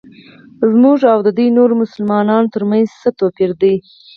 زموږ او ددې نورو مسلمانانو ترمنځ څه توپیر دی.